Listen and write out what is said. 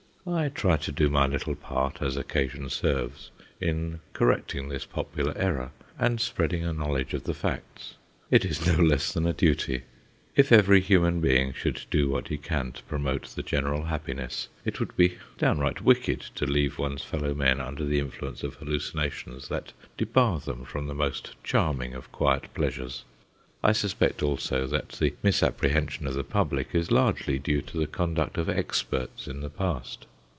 I try to do my little part, as occasion serves, in correcting this popular error, and spreading a knowledge of the facts. It is no less than a duty. If every human being should do what he can to promote the general happiness, it would be downright wicked to leave one's fellow men under the influence of hallucinations that debar them from the most charming of quiet pleasures. I suspect also that the misapprehension of the public is largely due to the conduct of experts in the past.